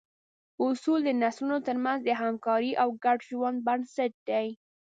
اصول د نسلونو تر منځ د همکارۍ او ګډ ژوند بنسټ دي.